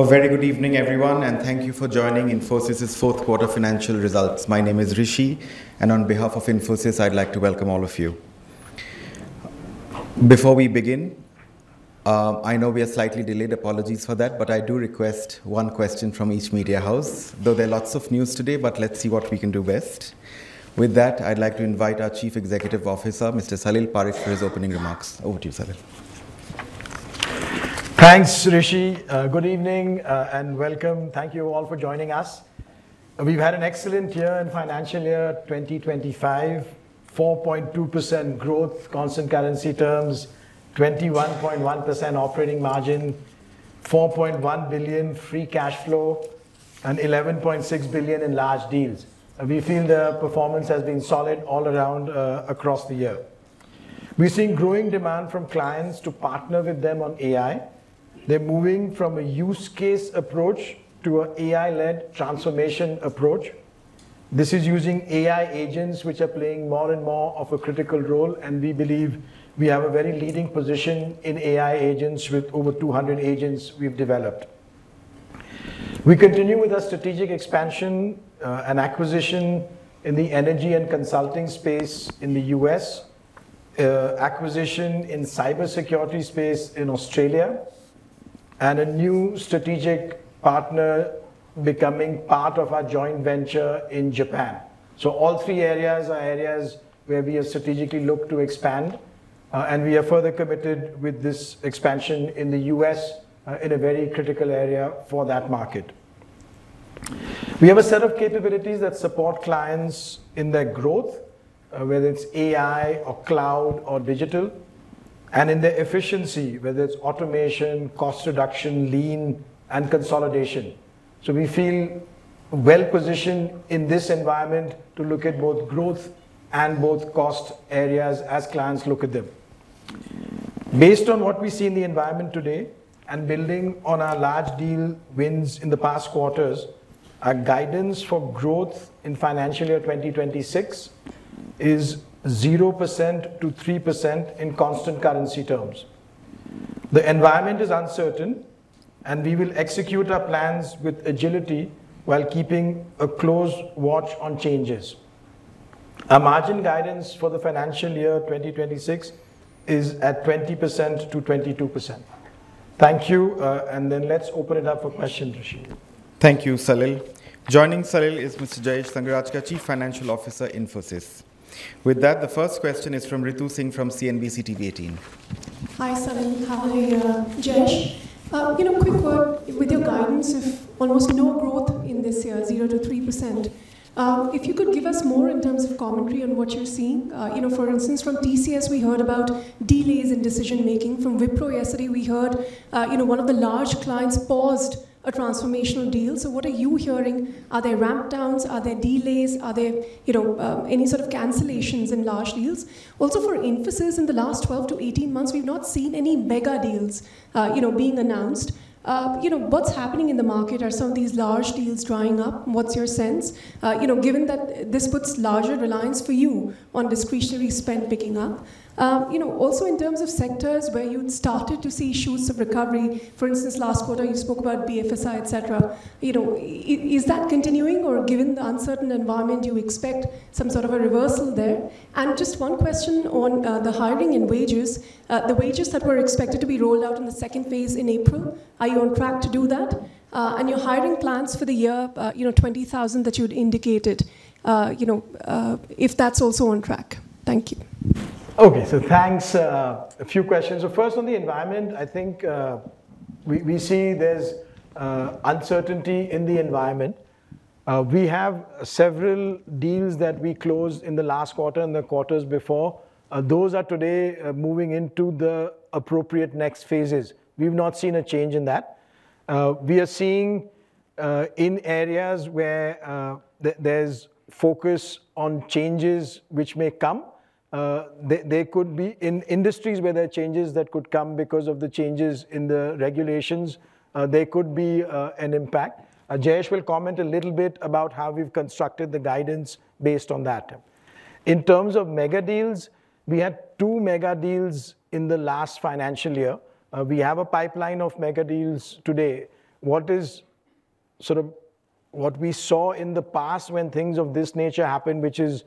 A very good evening, everyone, and thank you for joining Infosys' fourth quarter financial results. My name is Rishi, and on behalf of Infosys, I'd like to welcome all of you. Before we begin, I know we are slightly delayed, apologies for that, but I do request one question from each media house. Though there's lots of news today, let's see what we can do best. With that, I'd like to invite our Chief Executive Officer, Mr. Salil Parekh, for his opening remarks. Over to you, Salil. Thanks, Rishi. Good evening and welcome. Thank you all for joining us. We've had an excellent year and financial year 2025: 4.2% growth, constant currency terms, 21.1% operating margin, $4.1 billion free cash flow, and $11.6 billion in large deals. We feel the performance has been solid all around across the year. We're seeing growing demand from clients to partner with them on AI. They're moving from a use case approach to an AI-led transformation approach. This is using AI agents, which are playing more and more of a critical role, and we believe we have a very leading position in AI agents with over 200 agents we've developed. We continue with our strategic expansion and acquisition in the energy and consulting space in the U.S., acquisition in the cybersecurity space in Australia, and a new strategic partner becoming part of our joint venture in Japan. All three areas are areas where we have strategically looked to expand, and we are further committed with this expansion in the U.S. in a very critical area for that market. We have a set of capabilities that support clients in their growth, whether it's AI or cloud or digital, and in their efficiency, whether it's automation, cost reduction, lean, and consolidation. We feel well positioned in this environment to look at both growth and both cost areas as clients look at them. Based on what we see in the environment today and building on our large deal wins in the past quarters, our guidance for growth in financial year 2026 is 0%-3% in constant currency terms. The environment is uncertain, and we will execute our plans with agility while keeping a close watch on changes. Our margin guidance for the financial year 2026 is at 20%-22%. Thank you, and then let's open it up for questions, Rishi. Thank you, Salil. Joining Salil is Mr. Jayesh Sanghrajka, Chief Financial Officer, Infosys. With that, the first question is from Ritu Singh from CNBC TV 18. Hi, Salil. How are you, Jayesh? Quick word: with your guidance, almost no growth in this year, 0-3%. If you could give us more in terms of commentary on what you're seeing. For instance, from TCS, we heard about delays in decision-making. From Wipro, yesterday, we heard one of the large clients paused a transformational deal. What are you hearing? Are there ramp-downs? Are there delays? Are there any sort of cancellations in large deals? Also, for Infosys, in the last 12 to 18 months, we've not seen any mega deals being announced. What's happening in the market? Are some of these large deals drying up? What's your sense? Given that this puts larger reliance for you on discretionary spend picking up. Also, in terms of sectors where you'd started to see issues of recovery, for instance, last quarter, you spoke about BFSI, etc. Is that continuing, or given the uncertain environment, do you expect some sort of a reversal there? Just one question on the hiring and wages. The wages that were expected to be rolled out in the second phase in April, are you on track to do that? Your hiring plans for the year, 20,000 that you'd indicated, if that's also on track? Thank you. Okay, thanks. A few questions. First, on the environment, I think we see there's uncertainty in the environment. We have several deals that we closed in the last quarter and the quarters before. Those are today moving into the appropriate next phases. We've not seen a change in that. We are seeing in areas where there's focus on changes which may come. There could be in industries where there are changes that could come because of the changes in the regulations. There could be an impact. Jayesh will comment a little bit about how we've constructed the guidance based on that. In terms of mega deals, we had two mega deals in the last financial year. We have a pipeline of mega deals today. What is sort of what we saw in the past when things of this nature happen, which is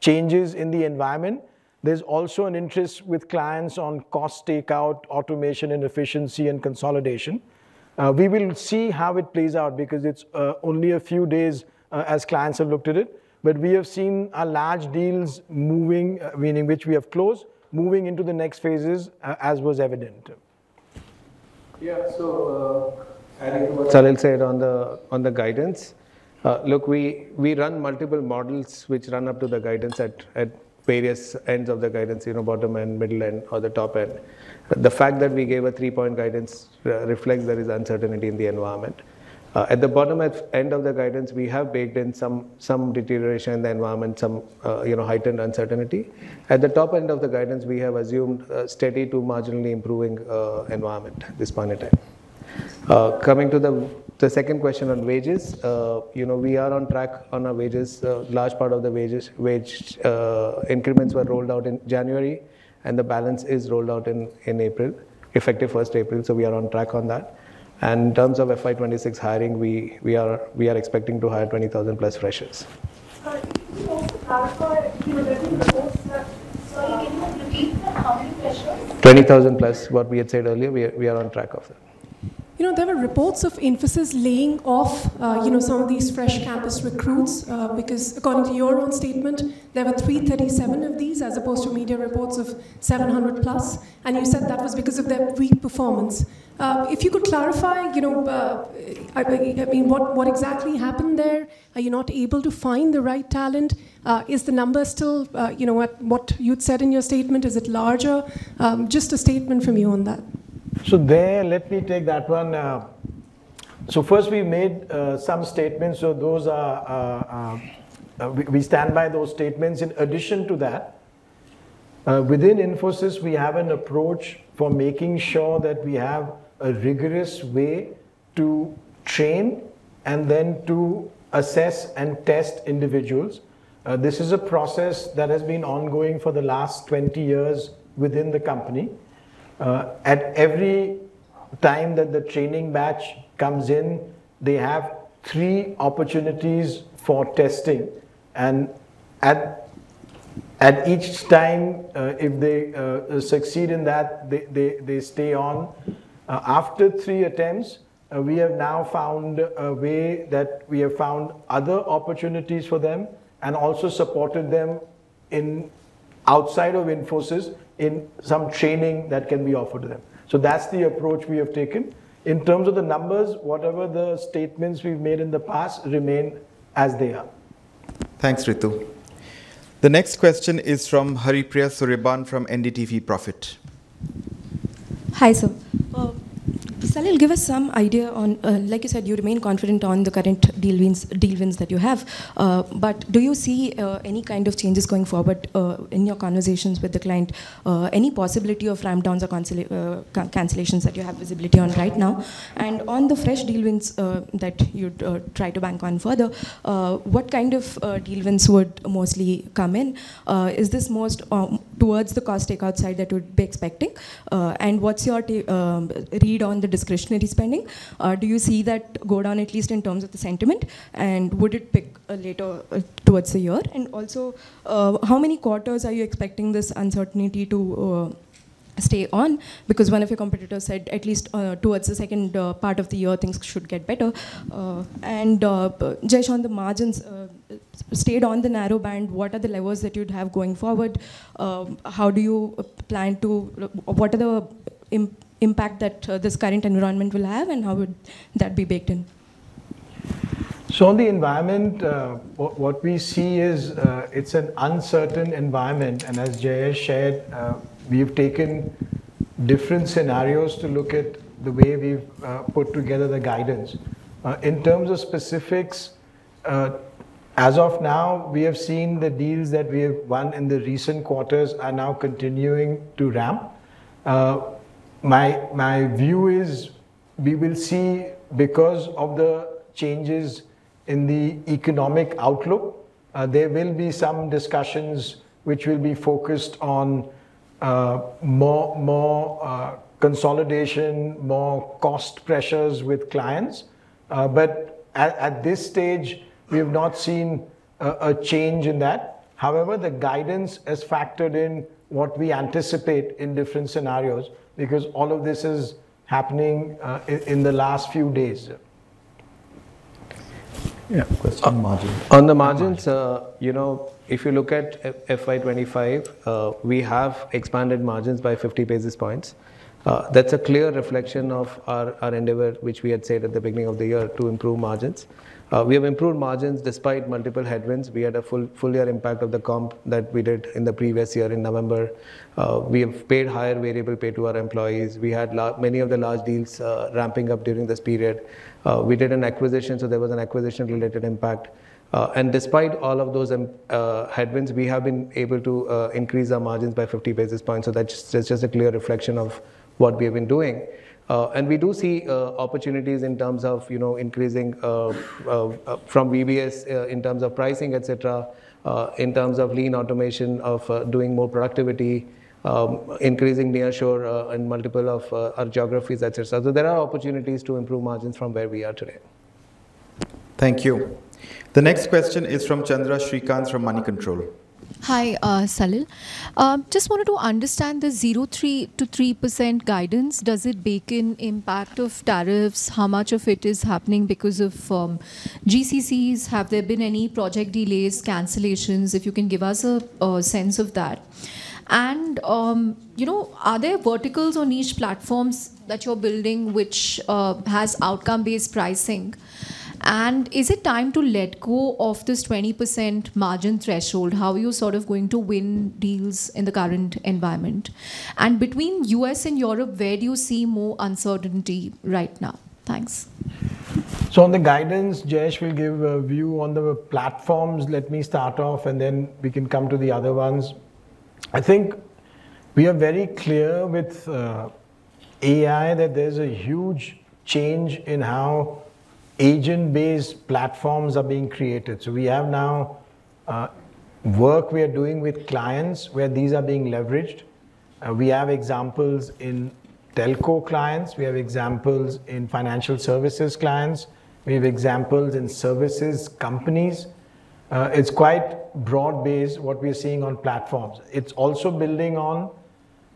changes in the environment? There's also an interest with clients on cost takeout, automation, and efficiency and consolidation. We will see how it plays out because it's only a few days as clients have looked at it. We have seen our large deals moving, meaning which we have closed, moving into the next phases as was evident. Yeah, so adding to what Salil said on the guidance, look, we run multiple models which run up to the guidance at various ends of the guidance, bottom end, middle end, or the top end. The fact that we gave a three-point guidance reflects there is uncertainty in the environment. At the bottom end of the guidance, we have baked in some deterioration in the environment, some heightened uncertainty. At the top end of the guidance, we have assumed steady to marginally improving environment at this point in time. Coming to the second question on wages, we are on track on our wages. Large part of the wage increments were rolled out in January, and the balance is rolled out in April, effective 1 April. We are on track on that. In terms of FY2026 hiring, we are expecting to hire 20,000+ freshers. Sorry, can you clarify? Given the reports that Salil, can you repeat the hiring pressure? 20,000+, what we had said earlier. We are on track of that. You know, there were reports of Infosys laying off some of these fresh campus recruits because, according to your own statement, there were 337 of these as opposed to media reports of 700+. And you said that was because of their weak performance. If you could clarify, I mean, what exactly happened there? Are you not able to find the right talent? Is the number still what you'd said in your statement? Is it larger? Just a statement from you on that. Let me take that one. First, we made some statements. We stand by those statements. In addition to that, within Infosys, we have an approach for making sure that we have a rigorous way to train and then to assess and test individuals. This is a process that has been ongoing for the last 20 years within the company. Every time that the training batch comes in, they have three opportunities for testing. At each time, if they succeed in that, they stay on. After three attempts, we have now found a way that we have found other opportunities for them and also supported them outside of Infosys in some training that can be offered to them. That is the approach we have taken. In terms of the numbers, whatever the statements we have made in the past remain as they are. Thanks, Ritu. The next question is from Haripriya Sureban from NDTV Profit. Hi, sir. Salil, give us some idea on, like you said, you remain confident on the current deal wins that you have. Do you see any kind of changes going forward in your conversations with the client? Any possibility of ramp-downs or cancellations that you have visibility on right now? On the fresh deal wins that you'd try to bank on further, what kind of deal wins would mostly come in? Is this most towards the cost takeout side that you'd be expecting? What's your read on the discretionary spending? Do you see that go down at least in terms of the sentiment? Would it pick later towards the year? Also, how many quarters are you expecting this uncertainty to stay on? Because one of your competitors said at least towards the second part of the year, things should get better. Jayesh, on the margins, stayed on the narrow band, what are the levels that you'd have going forward? How do you plan to, what are the impact that this current environment will have, and how would that be baked in? On the environment, what we see is it's an uncertain environment. As Jayesh shared, we've taken different scenarios to look at the way we've put together the guidance. In terms of specifics, as of now, we have seen the deals that we have won in the recent quarters are now continuing to ramp. My view is we will see, because of the changes in the economic outlook, there will be some discussions which will be focused on more consolidation, more cost pressures with clients. At this stage, we have not seen a change in that. However, the guidance has factored in what we anticipate in different scenarios because all of this is happening in the last few days. Yeah, question on margins. On the margins, if you look at FY25, we have expanded margins by 50 basis points. That is a clear reflection of our endeavor, which we had said at the beginning of the year, to improve margins. We have improved margins despite multiple headwinds. We had a full year impact of the comp that we did in the previous year in November. We have paid higher variable pay to our employees. We had many of the large deals ramping up during this period. We did an acquisition, so there was an acquisition-related impact. Despite all of those headwinds, we have been able to increase our margins by 50 basis points. That is just a clear reflection of what we have been doing. We do see opportunities in terms of increasing from VBS in terms of pricing, etc., in terms of lean automation of doing more productivity, increasing nearshore in multiple of our geographies, etc. There are opportunities to improve margins from where we are today. Thank you. The next question is from Chandra Srikanth from Moneycontrol. Hi, Salil. Just wanted to understand the 0-3% guidance. Does it bake in impact of tariffs? How much of it is happening because of GCCs? Have there been any project delays, cancellations? If you can give us a sense of that. Are there verticals or niche platforms that you're building which has outcome-based pricing? Is it time to let go of this 20% margin threshold? How are you sort of going to win deals in the current environment? Between U.S. and Europe, where do you see more uncertainty right now? Thanks. On the guidance, Jayesh will give a view on the platforms. Let me start off, and then we can come to the other ones. I think we are very clear with AI that there's a huge change in how agent-based platforms are being created. We have now work we are doing with clients where these are being leveraged. We have examples in telco clients. We have examples in financial services clients. We have examples in services companies. It's quite broad-based what we are seeing on platforms. It's also building on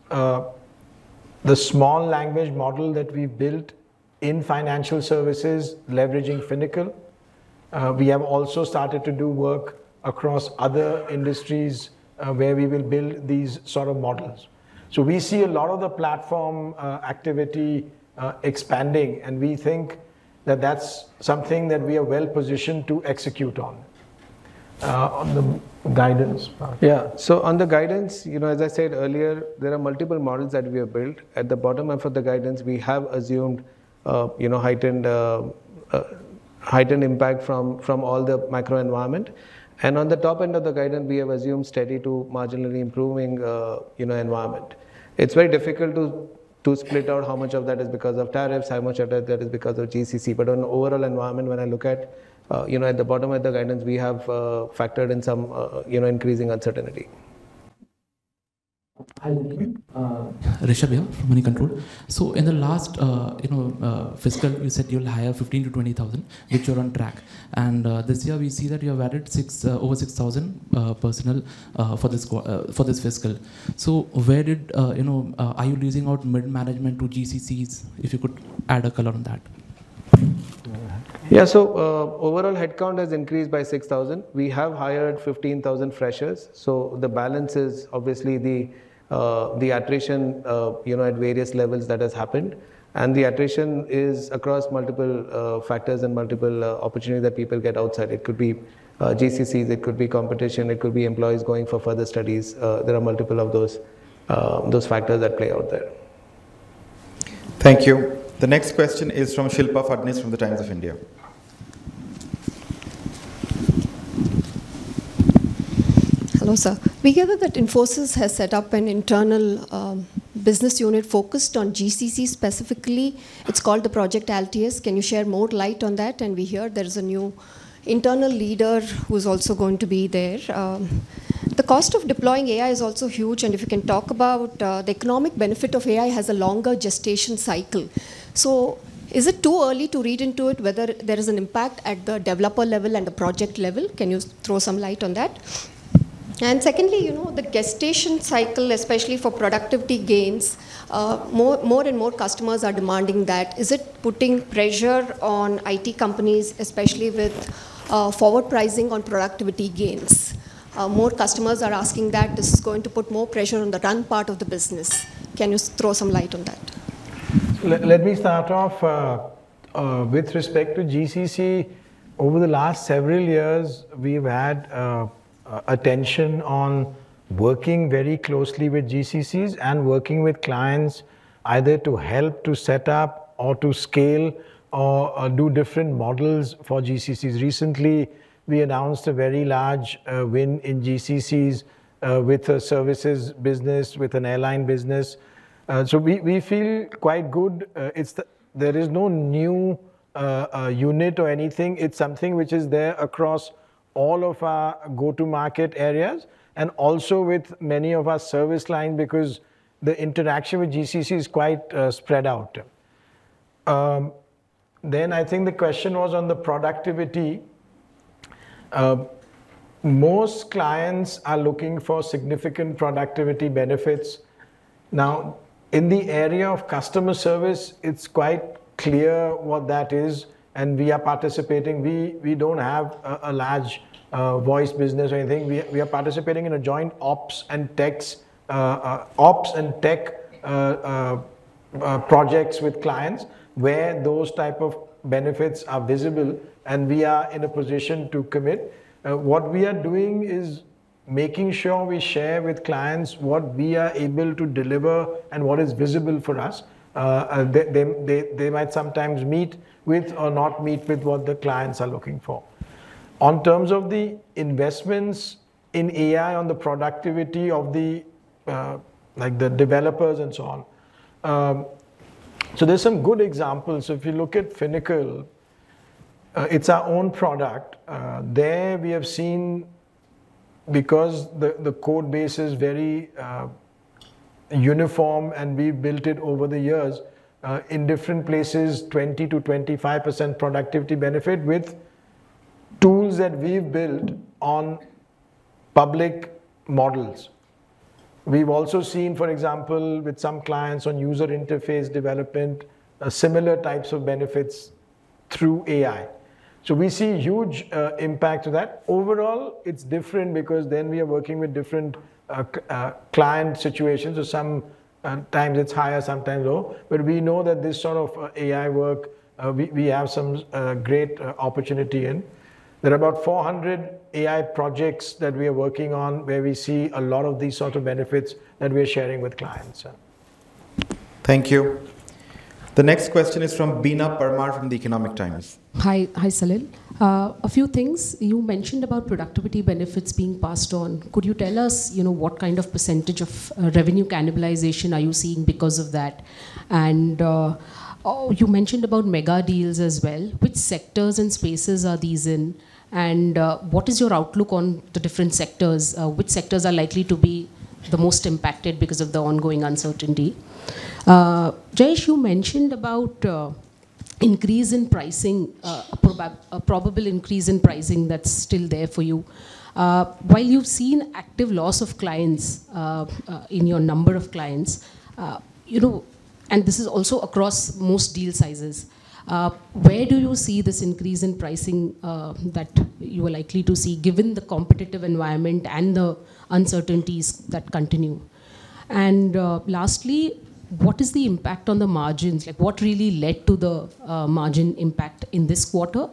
the small language model that we built in financial services, leveraging Finacle. We have also started to do work across other industries where we will build these sort of models. We see a lot of the platform activity expanding, and we think that that's something that we are well-positioned to execute on. On the guidance. Yeah, so on the guidance, as I said earlier, there are multiple models that we have built. At the bottom end for the guidance, we have assumed heightened impact from all the macro environment. At the top end of the guidance, we have assumed steady to marginally improving environment. It's very difficult to split out how much of that is because of tariffs, how much of that is because of GCC. On the overall environment, when I look at the bottom of the guidance, we have factored in some increasing uncertainty. Hi, Rishabh here from Money Control. In the last fiscal, you said you'll hire 15,000-20,000, which you're on track. This year, we see that you have added over 6,000 personnel for this fiscal. Where did are you losing out mid-management to GCCs? If you could add a color on that. Yeah, overall headcount has increased by 6,000. We have hired 15,000 freshers. The balance is obviously the attrition at various levels that has happened. The attrition is across multiple factors and multiple opportunities that people get outside. It could be GCCs. It could be competition. It could be employees going for further studies. There are multiple of those factors that play out there. Thank you. The next question is from Shilpa Phadnis from The Times of India. Hello, sir. We hear that Infosys has set up an internal business unit focused on GCCs specifically. It's called Project Altius. Can you share more light on that? We hear there's a new internal leader who's also going to be there. The cost of deploying AI is also huge. If you can talk about the economic benefit of AI, it has a longer gestation cycle. Is it too early to read into it whether there is an impact at the developer level and the project level? Can you throw some light on that? Secondly, the gestation cycle, especially for productivity gains, more and more customers are demanding that. Is it putting pressure on IT companies, especially with forward pricing on productivity gains? More customers are asking that. This is going to put more pressure on the run part of the business. Can you throw some light on that? Let me start off with respect to GCC. Over the last several years, we've had attention on working very closely with GCCs and working with clients either to help to set up or to scale or do different models for GCCs. Recently, we announced a very large win in GCCs with a services business, with an airline business. We feel quite good. There is no new unit or anything. It's something which is there across all of our go-to-market areas and also with many of our service lines because the interaction with GCC is quite spread out. I think the question was on the productivity. Most clients are looking for significant productivity benefits. Now, in the area of customer service, it's quite clear what that is. We are participating. We don't have a large voice business or anything. We are participating in joint ops and tech projects with clients where those types of benefits are visible. We are in a position to commit. What we are doing is making sure we share with clients what we are able to deliver and what is visible for us. They might sometimes meet with or not meet with what the clients are looking for. In terms of the investments in AI on the productivity of the developers and so on, there are some good examples. If you look at Finacle, it is our own product. There we have seen, because the code base is very uniform and we have built it over the years, in different places, 20%-25% productivity benefit with tools that we have built on public models. We have also seen, for example, with some clients on user interface development, similar types of benefits through AI. We see huge impact to that. Overall, it's different because then we are working with different client situations. Sometimes it's higher, sometimes lower. But we know that this sort of AI work, we have some great opportunity in. There are about 400 AI projects that we are working on where we see a lot of these sorts of benefits that we are sharing with clients. Thank you. The next question is from Beena Parmar from The Economic Times. Hi, Salil. A few things. You mentioned about productivity benefits being passed on. Could you tell us what kind of percentage of revenue cannibalization are you seeing because of that? You mentioned about mega deals as well. Which sectors and spaces are these in? What is your outlook on the different sectors? Which sectors are likely to be the most impacted because of the ongoing uncertainty? Jayesh, you mentioned about increase in pricing, a probable increase in pricing that's still there for you. While you've seen active loss of clients in your number of clients, and this is also across most deal sizes, where do you see this increase in pricing that you are likely to see given the competitive environment and the uncertainties that continue? Lastly, what is the impact on the margins? What really led to the margin impact in this quarter?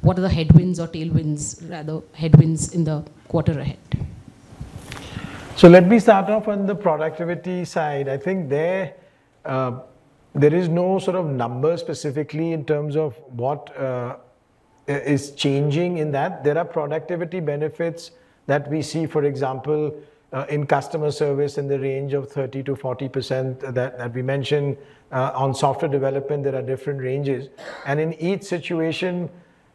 What are the headwinds or tailwinds, rather, headwinds in the quarter ahead? Let me start off on the productivity side. I think there is no sort of number specifically in terms of what is changing in that. There are productivity benefits that we see, for example, in customer service in the range of 30%-40% that we mentioned. On software development, there are different ranges. In each situation,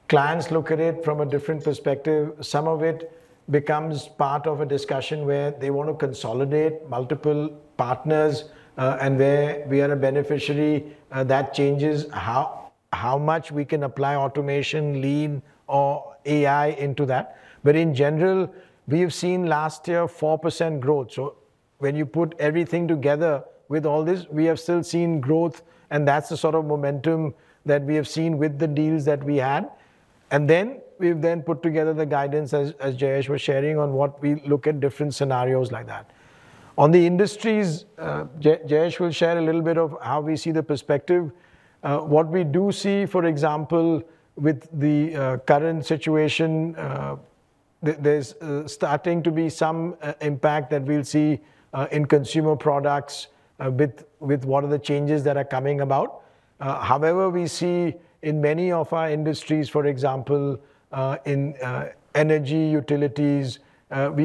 clients look at it from a different perspective. Some of it becomes part of a discussion where they want to consolidate multiple partners and where we are a beneficiary. That changes how much we can apply automation, lean, or AI into that. In general, we have seen last year 4% growth. When you put everything together with all this, we have still seen growth. That is the sort of momentum that we have seen with the deals that we had. We have then put together the guidance, as Jayesh was sharing, on what we look at different scenarios like that. On the industries, Jayesh will share a little bit of how we see the perspective. What we do see, for example, with the current situation, there is starting to be some impact that we will see in consumer products with what are the changes that are coming about. However, we see in many of our industries, for example, in energy, utilities,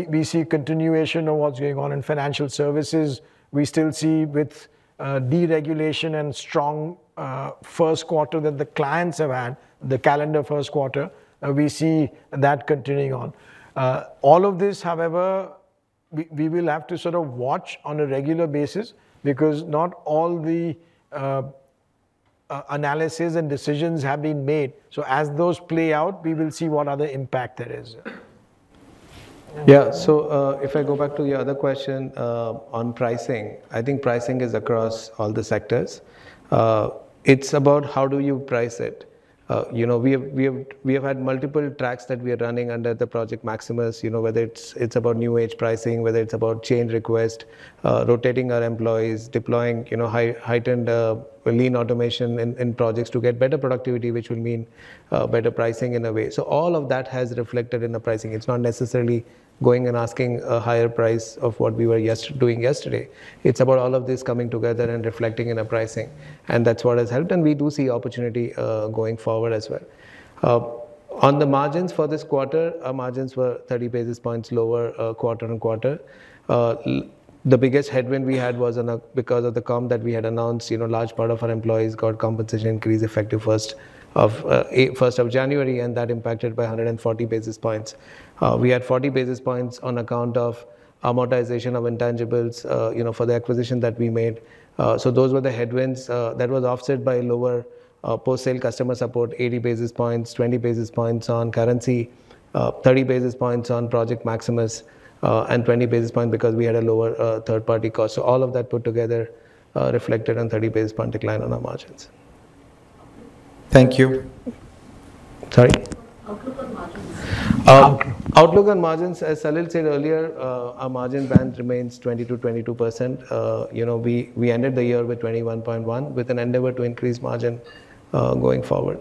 we see continuation of what is going on in financial services. We still see with deregulation and strong first quarter that the clients have had, the calendar first quarter, we see that continuing on. All of this, however, we will have to sort of watch on a regular basis because not all the analysis and decisions have been made. As those play out, we will see what other impact there is. Yeah, if I go back to your other question on pricing, I think pricing is across all the sectors. It's about how do you price it. We have had multiple tracks that we are running under Project Maximus, whether it's about new age pricing, whether it's about change requests, rotating our employees, deploying heightened lean automation in projects to get better productivity, which would mean better pricing in a way. All of that has reflected in the pricing. It's not necessarily going and asking a higher price of what we were doing yesterday. It's about all of this coming together and reflecting in our pricing. That's what has helped. We do see opportunity going forward as well. On the margins for this quarter, our margins were 30 basis points lower quarter on quarter. The biggest headwind we had was because of the comp that we had announced. A large part of our employees got compensation increase effective 1st of January, and that impacted by 140 basis points. We had 40 basis points on account of amortization of intangibles for the acquisition that we made. Those were the headwinds. That was offset by lower post-sale customer support, 80 basis points, 20 basis points on currency, 30 basis points on Project Maximus, and 20 basis points because we had a lower third-party cost. All of that put together reflected on 30 basis point decline on our margins. Thank you. Sorry. Outlook on margins. Outlook on margins, as Salil said earlier, our margin band remains 20%-22%. We ended the year with 21.1% with an endeavor to increase margin going forward.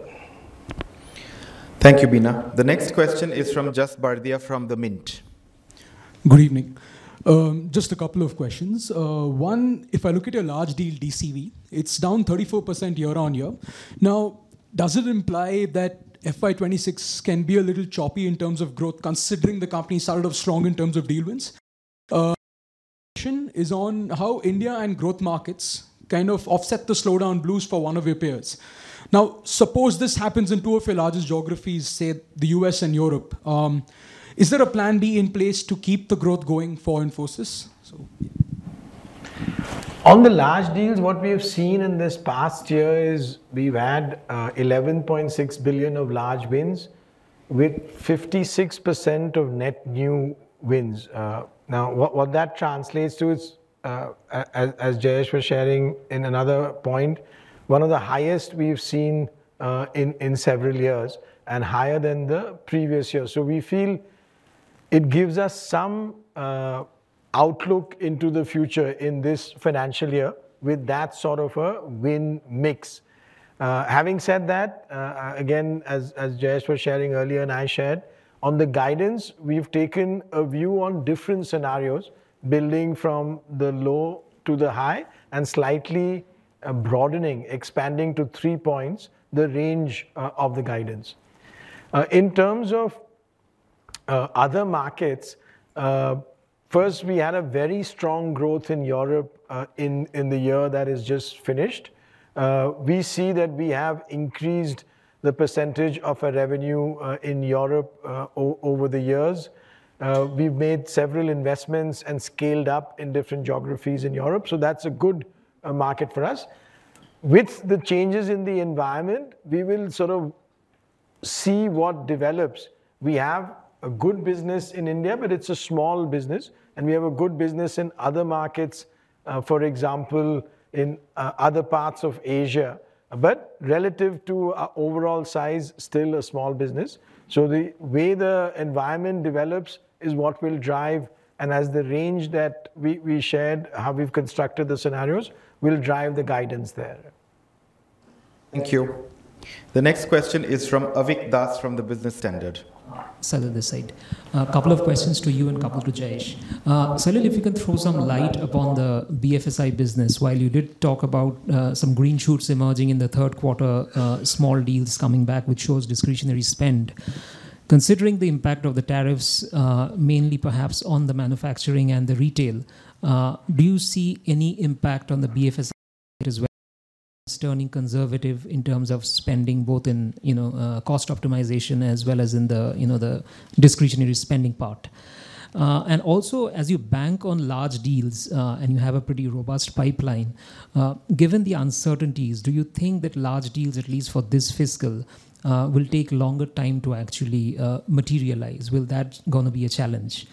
Thank you, Beena. The next question is from Jas Bardia from The Mint. Good evening. Just a couple of questions. One, if I look at your large deal TCV, it's down 34% year on year. Now, does it imply that FY2026 can be a little choppy in terms of growth considering the company started off strong in terms of deal wins? The question is on how India and growth markets kind of offset the slowdown blues for one of your peers. Now, suppose this happens in two of your largest geographies, say the U.S. and Europe. Is there a plan B in place to keep the growth going for Infosys? On the large deals, what we have seen in this past year is we've had $11.6 billion of large wins with 56% of net new wins. Now, what that translates to is, as Jayesh was sharing in another point, one of the highest we've seen in several years and higher than the previous year. We feel it gives us some outlook into the future in this financial year with that sort of a win mix. Having said that, again, as Jayesh was sharing earlier and I shared, on the guidance, we've taken a view on different scenarios, building from the low to the high and slightly broadening, expanding to three points the range of the guidance. In terms of other markets, first, we had a very strong growth in Europe in the year that has just finished. We see that we have increased the percentage of our revenue in Europe over the years. We've made several investments and scaled up in different geographies in Europe. That's a good market for us. With the changes in the environment, we will sort of see what develops. We have a good business in India, but it's a small business. We have a good business in other markets, for example, in other parts of Asia. Relative to our overall size, still a small business. The way the environment develops is what will drive. As the range that we shared, how we've constructed the scenarios, will drive the guidance there. Thank you. The next question is from Avik Das from The Business Standard. Avik this side. A couple of questions to you and a couple to Jayesh. Salil, if you can throw some light upon the BFSI business while you did talk about some green shoots emerging in the third quarter, small deals coming back, which shows discretionary spend. Considering the impact of the tariffs, mainly perhaps on the manufacturing and the retail, do you see any impact on the BFSI as well as turning conservative in terms of spending both in cost optimization as well as in the discretionary spending part? Also, as you bank on large deals and you have a pretty robust pipeline, given the uncertainties, do you think that large deals, at least for this fiscal, will take longer time to actually materialize? Will that going to be a challenge?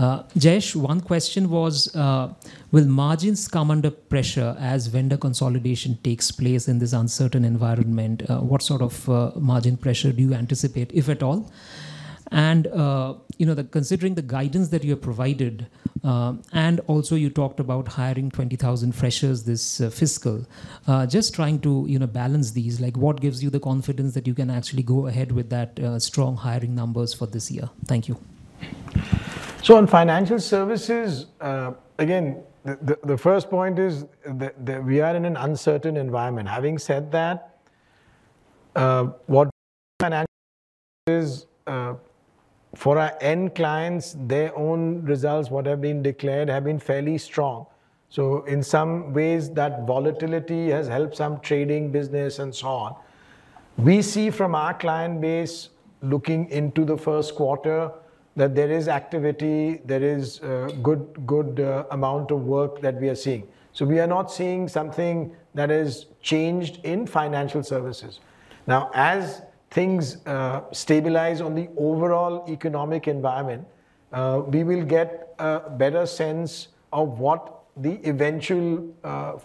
Jayesh, one question was, will margins come under pressure as vendor consolidation takes place in this uncertain environment? What sort of margin pressure do you anticipate, if at all? Considering the guidance that you have provided, and also you talked about hiring 20,000 freshers this fiscal, just trying to balance these, what gives you the confidence that you can actually go ahead with that strong hiring numbers for this year? Thank you. On financial services, again, the first point is that we are in an uncertain environment. Having said that, what financial services for our end clients, their own results, what have been declared, have been fairly strong. In some ways, that volatility has helped some trading business and so on. We see from our client base looking into the first quarter that there is activity, there is a good amount of work that we are seeing. We are not seeing something that has changed in financial services. Now, as things stabilize on the overall economic environment, we will get a better sense of what the eventual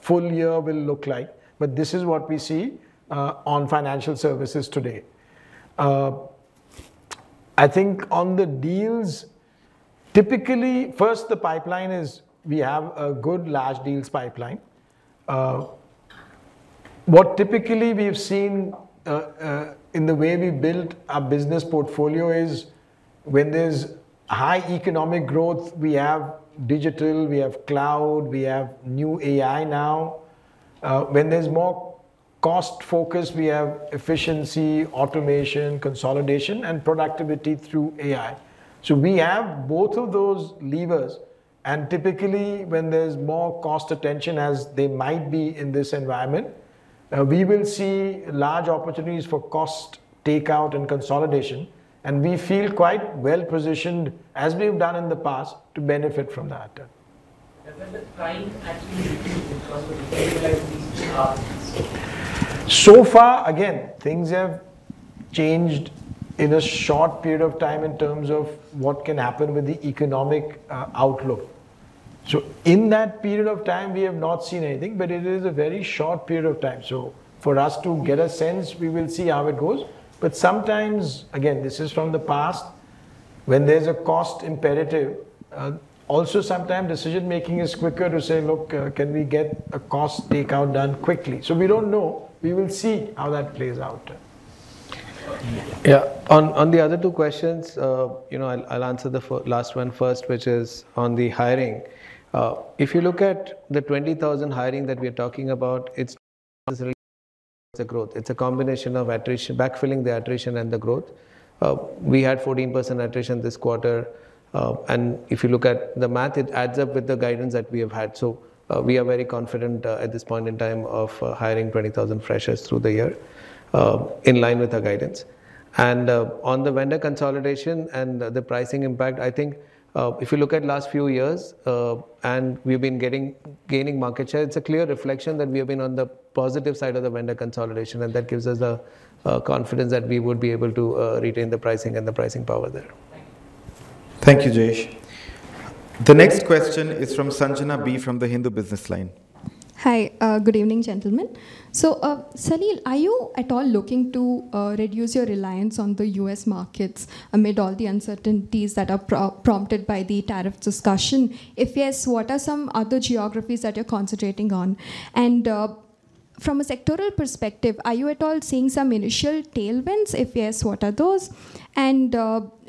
full year will look like. This is what we see on financial services today. I think on the deals, typically, first, the pipeline is we have a good large deals pipeline. What typically we have seen in the way we build our business portfolio is when there's high economic growth, we have digital, we have cloud, we have new AI now. When there's more cost focus, we have efficiency, automation, consolidation, and productivity through AI. We have both of those levers. Typically, when there's more cost attention, as there might be in this environment, we will see large opportunities for cost takeout and consolidation. We feel quite well positioned, as we have done in the past, to benefit from that. So far, again, things have changed in a short period of time in terms of what can happen with the economic outlook. In that period of time, we have not seen anything, but it is a very short period of time. For us to get a sense, we will see how it goes. Sometimes, again, this is from the past, when there's a cost imperative, also sometimes decision-making is quicker to say, "Look, can we get a cost takeout done quickly?" We do not know. We will see how that plays out. Yeah. On the other two questions, I'll answer the last one first, which is on the hiring. If you look at the 20,000 hiring that we are talking about, it's not necessarily the growth. It's a combination of backfilling the attrition and the growth. We had 14% attrition this quarter. If you look at the math, it adds up with the guidance that we have had. We are very confident at this point in time of hiring 20,000 freshers through the year in line with our guidance. On the vendor consolidation and the pricing impact, I think if you look at last few years and we've been gaining market share, it's a clear reflection that we have been on the positive side of the vendor consolidation. That gives us the confidence that we would be able to retain the pricing and the pricing power there. Thank you, Jayesh. The next question is from Sanjana B from The Hindu Business Line. Hi, good evening, gentlemen. Salil, are you at all looking to reduce your reliance on the U.S. markets amid all the uncertainties that are prompted by the tariff discussion? If yes, what are some other geographies that you're concentrating on? From a sectoral perspective, are you at all seeing some initial tailwinds? If yes, what are those?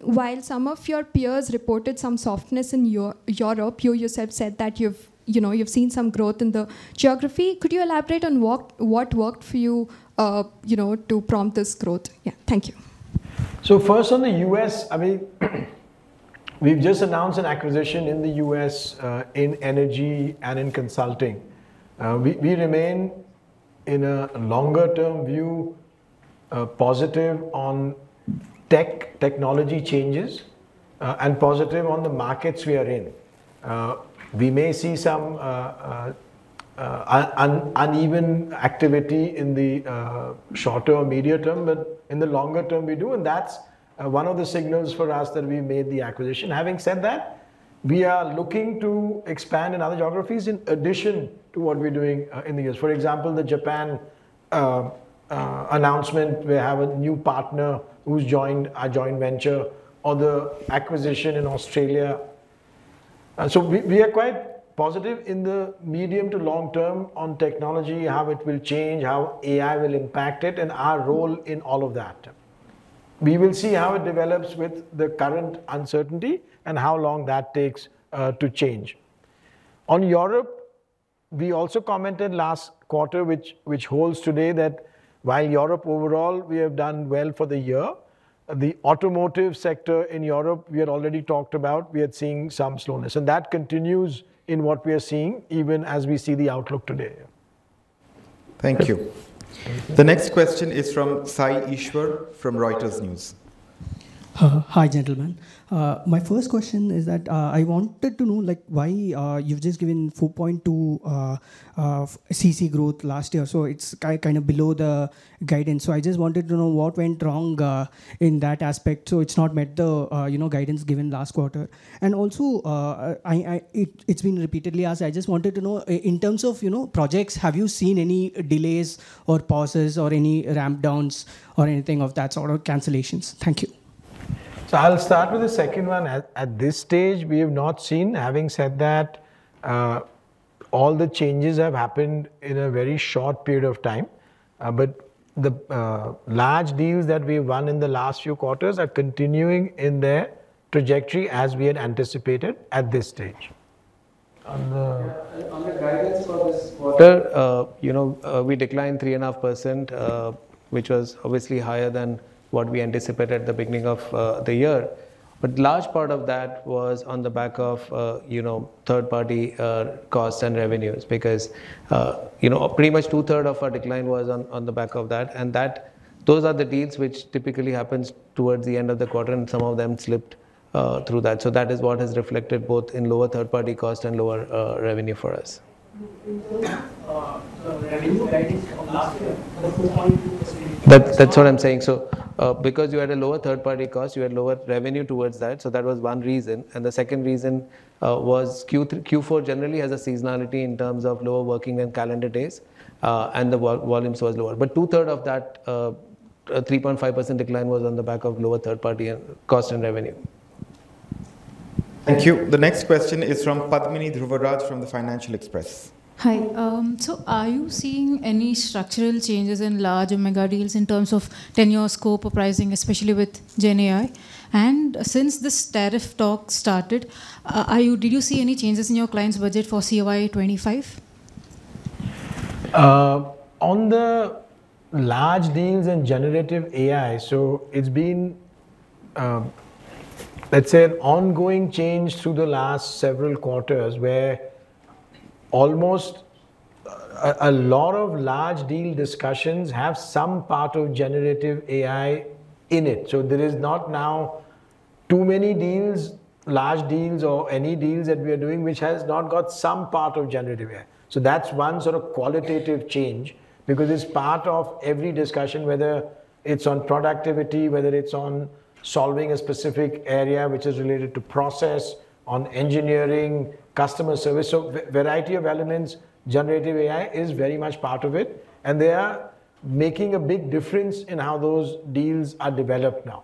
While some of your peers reported some softness in Europe, you yourself said that you've seen some growth in the geography. Could you elaborate on what worked for you to prompt this growth? Yeah, thank you. First, on the U.S., I mean, we've just announced an acquisition in the U.S. in energy and in consulting. We remain, in a longer-term view, positive on tech technology changes and positive on the markets we are in. We may see some uneven activity in the short-term or medium term, but in the longer term, we do. That's one of the signals for us that we made the acquisition. Having said that, we are looking to expand in other geographies in addition to what we're doing in the U.S.. For example, the Japan announcement, we have a new partner who's joined our joint venture on the acquisition in Australia. We are quite positive in the medium to long term on technology, how it will change, how AI will impact it, and our role in all of that. We will see how it develops with the current uncertainty and how long that takes to change. On Europe, we also commented last quarter, which holds today, that while Europe overall, we have done well for the year, the automotive sector in Europe, we had already talked about, we are seeing some slowness. That continues in what we are seeing, even as we see the outlook today. Thank you. The next question is from Sai Ishwar from Reuters News. Hi, gentlemen. My first question is that I wanted to know why you've just given 4.2% CC growth last year. It is kind of below the guidance. I just wanted to know what went wrong in that aspect. It has not met the guidance given last quarter. It has been repeatedly asked. I just wanted to know, in terms of projects, have you seen any delays or pauses or any ramp-downs or anything of that sort or cancellations? Thank you. I'll start with the second one. At this stage, we have not seen. Having said that, all the changes have happened in a very short period of time. The large deals that we've won in the last few quarters are continuing in their trajectory as we had anticipated at this stage. On the guidance for this quarter, we declined 3.5%, which was obviously higher than what we anticipated at the beginning of the year. A large part of that was on the back of third-party costs and revenues because pretty much two-thirds of our decline was on the back of that. Those are the deals which typically happen towards the end of the quarter, and some of them slipped through that. That is what has reflected both in lower third-party cost and lower revenue for us. That's what I'm saying. Because you had a lower third-party cost, you had lower revenue towards that. That was one reason. The second reason was Q4 generally has a seasonality in terms of lower working and calendar days, and the volumes were lower. Two-thirds of that 3.5% decline was on the back of lower third-party cost and revenue. Thank you. The next question is from Padmini Dhruvaraj from the Financial Express. Hi. Are you seeing any structural changes in large or mega deals in terms of tenure, scope, or pricing, especially with GenAI? Since this tariff talk started, did you see any changes in your client's budget for CY25? On the large deals and generative AI, it's been, let's say, an ongoing change through the last several quarters where almost a lot of large deal discussions have some part of generative AI in it. There is not now too many deals, large deals, or any deals that we are doing which has not got some part of generative AI. That's one sort of qualitative change because it's part of every discussion, whether it's on productivity, whether it's on solving a specific area which is related to process, on engineering, customer service. A variety of elements, generative AI is very much part of it. They are making a big difference in how those deals are developed now.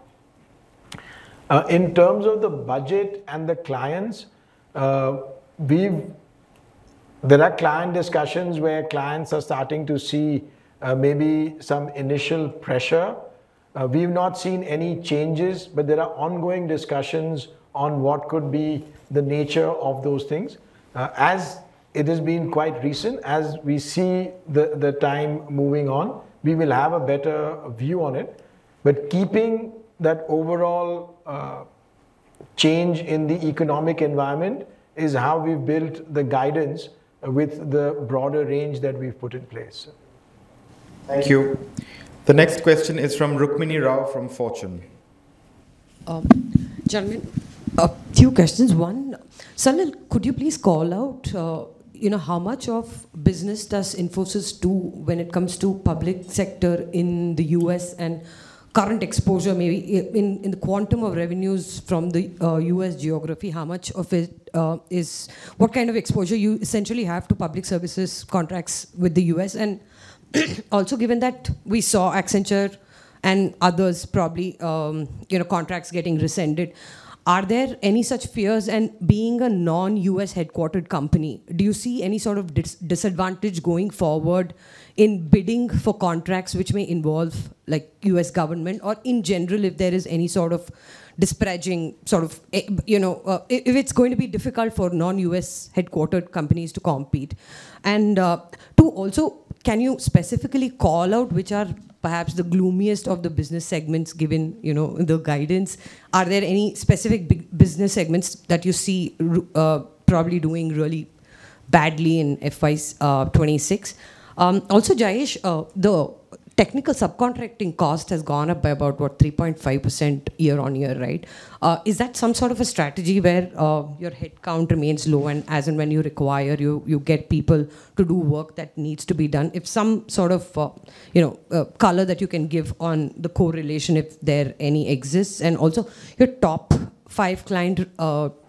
In terms of the budget and the clients, there are client discussions where clients are starting to see maybe some initial pressure. We have not seen any changes, but there are ongoing discussions on what could be the nature of those things. As it has been quite recent, as we see the time moving on, we will have a better view on it. Keeping that overall change in the economic environment is how we've built the guidance with the broader range that we've put in place. Thank you. The next question is from Rukmini Rao from Fortune. Gentlemen, a few questions. One, Salil, could you please call out how much of business does Infosys do when it comes to public sector in the U.S. and current exposure, maybe in the quantum of revenues from the U.S. geography? How much of it is what kind of exposure you essentially have to public services contracts with the U.S.? Also, given that we saw Accenture and others probably contracts getting rescinded, are there any such fears? Being a non-U.S. headquartered company, do you see any sort of disadvantage going forward in bidding for contracts which may involve U.S. government or, in general, if there is any sort of disparaging sort of if it's going to be difficult for non-U.S. headquartered companies to compete? Two, also, can you specifically call out which are perhaps the gloomiest of the business segments given the guidance? Are there any specific business segments that you see probably doing really badly in FY26? Also, Jayesh, the technical subcontracting cost has gone up by about, what, 3.5% year on year, right? Is that some sort of a strategy where your headcount remains low? As and when you require, you get people to do work that needs to be done? If some sort of color that you can give on the correlation, if there any exists? Also, your top five client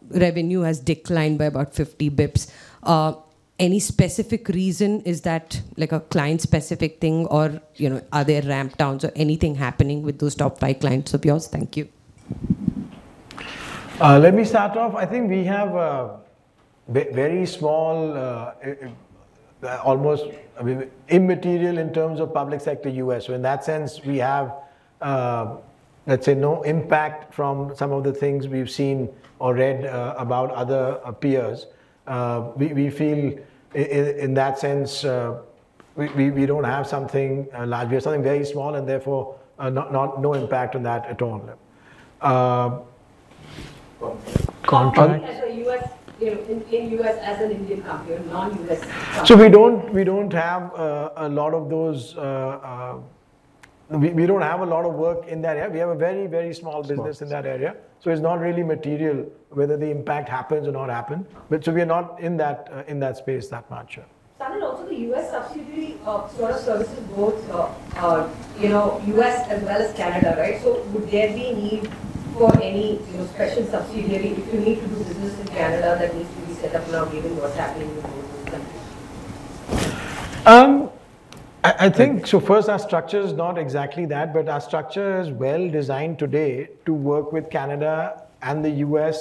revenue has declined by about 50 basis points. Any specific reason? Is that a client-specific thing, or are there ramp-downs or anything happening with those top five clients of yours? Thank you. Let me start off. I think we have very small, almost immaterial in terms of public sector U.S.. In that sense, we have, let's say, no impact from some of the things we've seen or read about other peers. We feel, in that sense, we don't have something large. We have something very small and therefore no impact on that at all. In the U.S. as an Indian company, non-U.S. company. We do not have a lot of those. We do not have a lot of work in that area. We have a very, very small business in that area. It is not really material whether the impact happens or does not happen. We are not in that space that much. Salil, also, the U.S. subsidiary sort of services both U.S. as well as Canada, right? Would there be need for any special subsidiary if you need to do business in Canada that needs to be set up now given what's happening with both those countries? I think, so first, our structure is not exactly that, but our structure is well designed today to work with Canada and the U.S.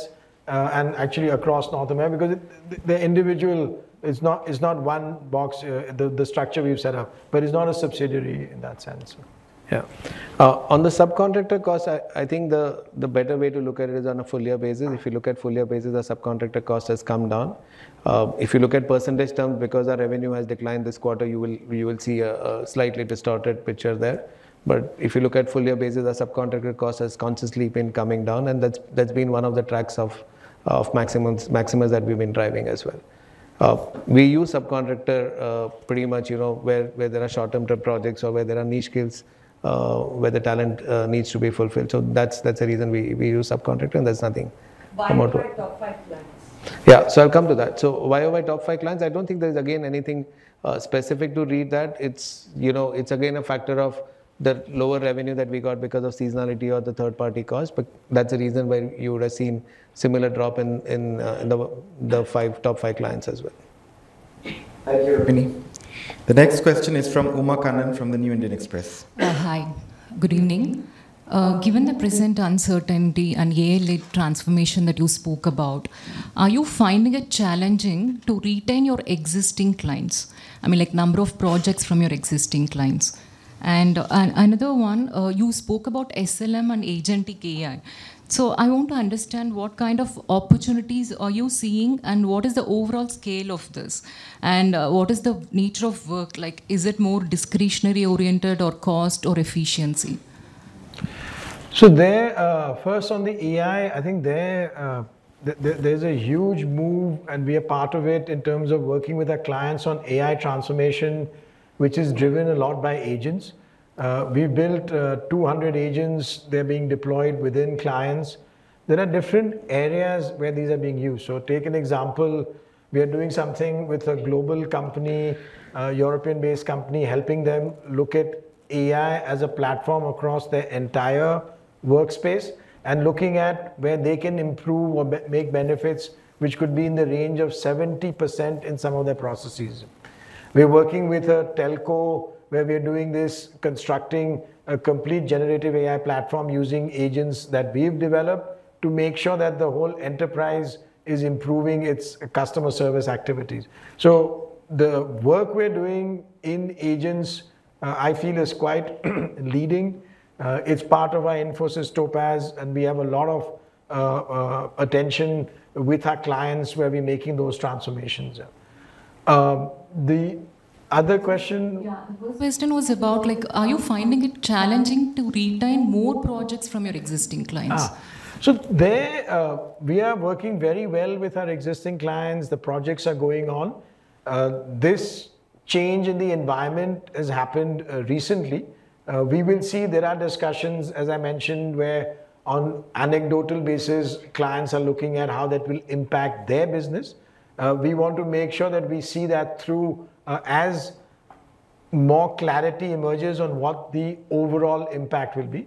and actually across North America because the individual is not one box, the structure we've set up, but it's not a subsidiary in that sense. Yeah. On the subcontractor cost, I think the better way to look at it is on a full-year basis. If you look at full-year basis, our subcontractor cost has come down. If you look at percentage terms, because our revenue has declined this quarter, you will see a slightly distorted picture there. If you look at full-year basis, our subcontractor cost has consistently been coming down, and that's been one of the tracks of Maximus that we've been driving as well. We use subcontractor pretty much where there are short-term projects or where there are niche skills, where the talent needs to be fulfilled. That is the reason we use subcontractor, and that is nothing. Why are there top five clients? Yeah, I'll come to that. Why are my top five clients? I don't think there's, again, anything specific to read there. It's, again, a factor of the lower revenue that we got because of seasonality or the third-party cost. That's the reason why you would have seen similar drop in the top five clients as well. Thank you, Rukmini. The next question is from Uma Kannan from The New Indian Express. Hi, good evening. Given the present uncertainty and yearly transformation that you spoke about, are you finding it challenging to retain your existing clients? I mean, number of projects from your existing clients. Another one, you spoke about SLM and agentic AI. I want to understand what kind of opportunities are you seeing and what is the overall scale of this? What is the nature of work? Is it more discretionary oriented or cost or efficiency? First, on the AI, I think there's a huge move, and we are part of it in terms of working with our clients on AI transformation, which is driven a lot by agents. We built 200 agents. They're being deployed within clients. There are different areas where these are being used. Take an example. We are doing something with a global company, a European-based company, helping them look at AI as a platform across their entire workspace and looking at where they can improve or make benefits, which could be in the range of 70% in some of their processes. We're working with a telco where we're doing this, constructing a complete generative AI platform using agents that we've developed to make sure that the whole enterprise is improving its customer service activities. The work we're doing in agents, I feel, is quite leading. It's part of our Infosys Topaz, and we have a lot of attention with our clients where we're making those transformations. The other question. Yeah, the first question was about, are you finding it challenging to retain more projects from your existing clients? We are working very well with our existing clients. The projects are going on. This change in the environment has happened recently. We will see there are discussions, as I mentioned, where on anecdotal basis, clients are looking at how that will impact their business. We want to make sure that we see that through as more clarity emerges on what the overall impact will be.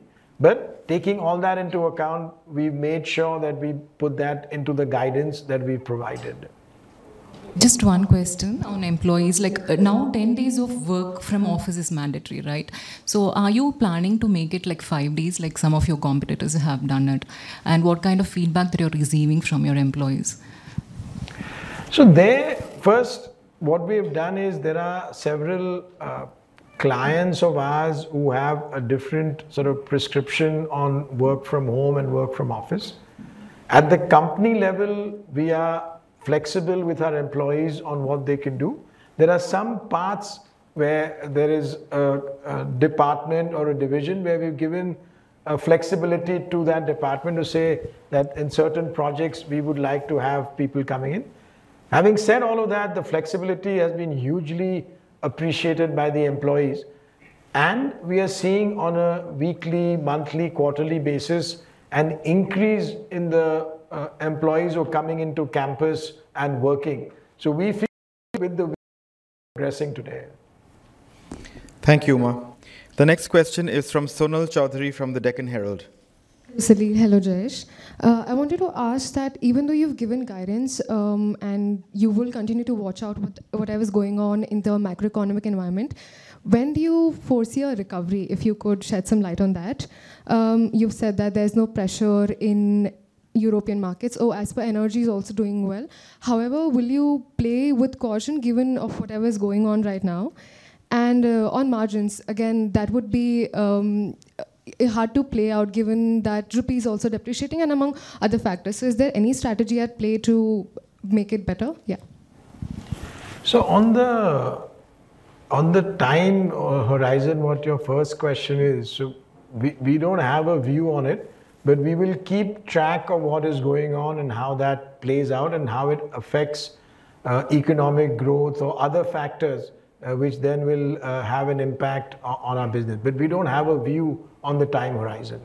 Taking all that into account, we've made sure that we put that into the guidance that we've provided. Just one question on employees. Now, 10 days of work from office is mandatory, right? Are you planning to make it like five days like some of your competitors have done it? What kind of feedback that you're receiving from your employees? First, what we have done is there are several clients of ours who have a different sort of prescription on work from home and work from office. At the company level, we are flexible with our employees on what they can do. There are some parts where there is a department or a division where we've given flexibility to that department to say that in certain projects, we would like to have people coming in. Having said all of that, the flexibility has been hugely appreciated by the employees. We are seeing on a weekly, monthly, quarterly basis an increase in the employees who are coming into campus and working. We feel with the progressing today. Thank you, Uma. The next question is from Sonal Choudhary from the Deccan Herald. Salil, hello, Jayesh. I wanted to ask that even though you've given guidance and you will continue to watch out whatever's going on in the macroeconomic environment, when do you foresee a recovery if you could shed some light on that? You've said that there's no pressure in European markets. Oh, as for Energy is also doing well. However, will you play with caution given whatever's going on right now? On margins, again, that would be hard to play out given that Rupee is also depreciating and among other factors. Is there any strategy at play to make it better? Yeah. On the time horizon, what your first question is, we don't have a view on it, but we will keep track of what is going on and how that plays out and how it affects economic growth or other factors which then will have an impact on our business. We don't have a view on the time horizon.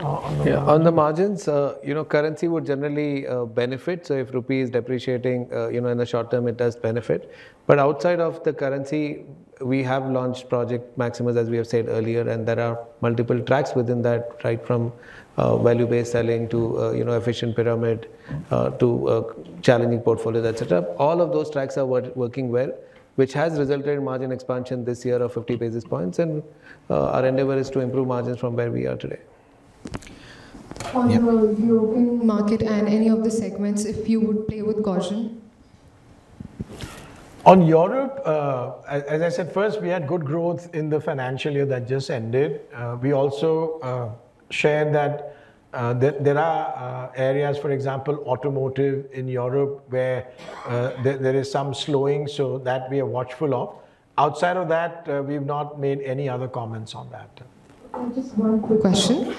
Yeah. On the margins, currency would generally benefit. If Rupee is depreciating in the short term, it does benefit. Outside of the currency, we have launched Project Maximus, as we have said earlier, and there are multiple tracks within that, right, from value-based selling to efficient pyramid to challenging portfolios, etc. All of those tracks are working well, which has resulted in margin expansion this year of 50 basis points. Our endeavor is to improve margins from where we are today. On the European market and any of the segments, if you would play with caution? On Europe, as I said, first, we had good growth in the financial year that just ended. We also shared that there are areas, for example, automotive in Europe where there is some slowing, so that we are watchful of. Outside of that, we've not made any other comments on that. Just one quick question.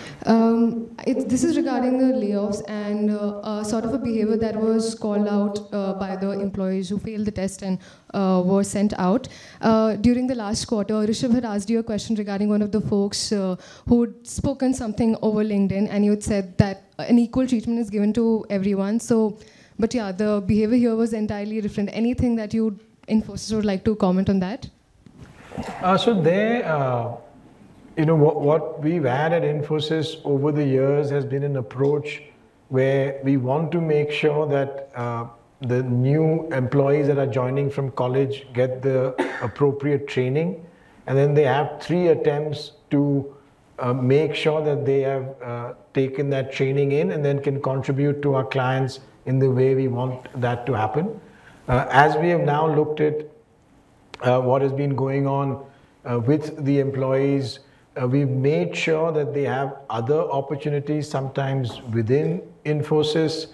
This is regarding the layoffs and sort of a behavior that was called out by the employees who failed the test and were sent out. During the last quarter, Rishabh had asked you a question regarding one of the folks who had spoken something over LinkedIn, and you had said that an equal treatment is given to everyone. The behavior here was entirely different. Anything that Infosys would like to comment on that? What we've had at Infosys over the years has been an approach where we want to make sure that the new employees that are joining from college get the appropriate training. Then they have three attempts to make sure that they have taken that training in and then can contribute to our clients in the way we want that to happen. As we have now looked at what has been going on with the employees, we've made sure that they have other opportunities sometimes within Infosys,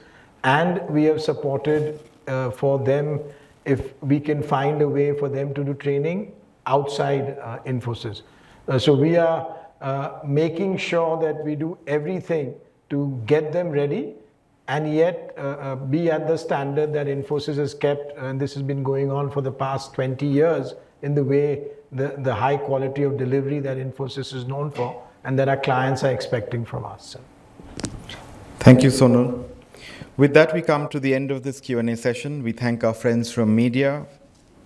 and we have supported for them if we can find a way for them to do training outside Infosys. We are making sure that we do everything to get them ready and yet be at the standard that Infosys has kept, and this has been going on for the past 20 years in the way the high quality of delivery that Infosys is known for and that our clients are expecting from us. Thank you, Sonal. With that, we come to the end of this Q&A session. We thank our friends from media.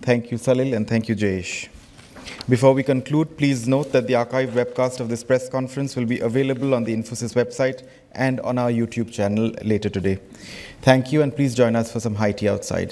Thank you, Salil, and thank you, Jayesh. Before we conclude, please note that the archived webcast of this press conference will be available on the Infosys website and on our YouTube channel later today. Thank you, and please join us for some high tea outside.